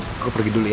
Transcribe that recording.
aku pergi dulu ya